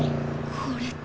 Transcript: これって。